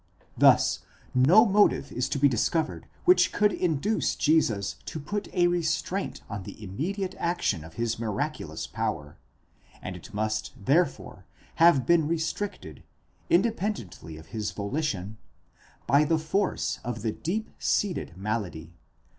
Thus no motive is to be discovered which could induce Jesus to put a restraint on the immediate action of his miraculous power, and it must therefore have been restricted, independently of his volition, by the force of the deep seated malady.